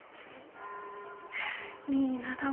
いい名だわ。